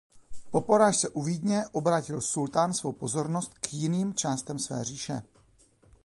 Po porážce u Vídně obrátil sultán svou pozornost k jiným částem své říše.